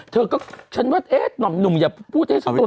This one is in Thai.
เธอก็ฉันว่าเอ๊ะหน่อมหนุ่มอย่าพูดเอ๊ะฉันต้องตกป่ะ